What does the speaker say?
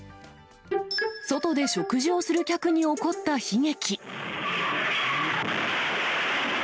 外で食事をする客に起こった悲劇。